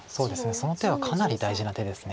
その手はかなり大事な手です。